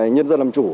nhân dân làm chủ